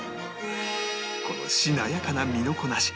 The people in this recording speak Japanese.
このしなやかな身のこなし